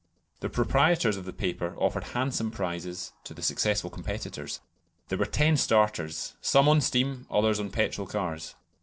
The proprietors of the paper offered handsome prizes to the successful competitors. There were ten starters, some on steam, others on petrol cars.